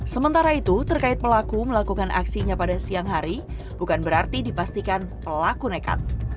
sementara itu terkait pelaku melakukan aksinya pada siang hari bukan berarti dipastikan pelaku nekat